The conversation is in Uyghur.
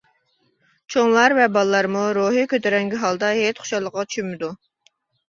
چوڭلار ۋە بالىلارمۇ روھى كۆتۈرەڭگۈ ھالدا ھېيت خۇشاللىقىغا چۆمىدۇ.